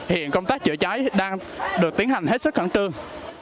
hiện công tác chữa cháy đang được tiến hành hết sức khẩn trương